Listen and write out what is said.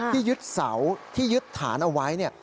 ที่ยึดเสาที่ยึดฐานเอาไว้